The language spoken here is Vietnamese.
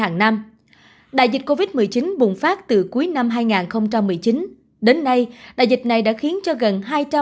hàng năm đại dịch covid một mươi chín bùng phát từ cuối năm hai nghìn một mươi chín đến nay đại dịch này đã khiến cho gần